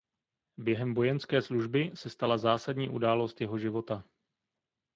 Během vojenské služby se stala zásadní událost jeho života.